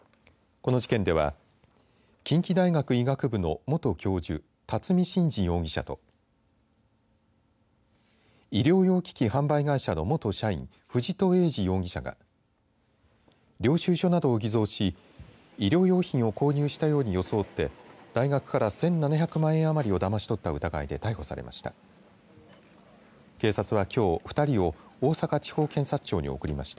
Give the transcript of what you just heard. この事件では近畿大学医学部の元教授巽信二容疑者と医療用機器販売会社の元社員藤戸栄司容疑者が領収書などを偽造し医療用品を購入したように装って大学から１７００万円余りをだまし取った疑いで逮捕されました。